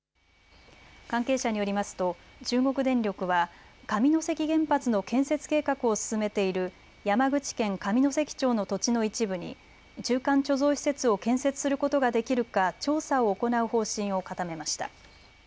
関係者によりますと中国電力は上関原発の建設計画を進めている山口県上関町の土地の一部に中間貯蔵施設を建設することができるか調査を行う方針を固めました。